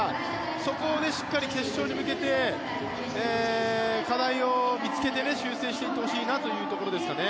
そこでしっかり決勝に向けて課題を見つけて修正していってほしいなというところですかね。